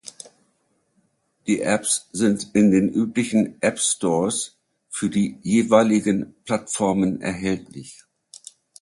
Die Apps sind in den üblichen App Stores für die jeweiligen Plattformen erhältlich.